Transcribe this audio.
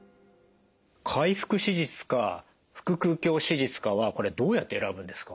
開腹手術か腹腔鏡手術かはこれどうやって選ぶんですか？